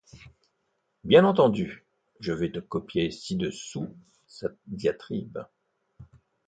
Bien entendu, je vais te copier ci dessous sa diatribe.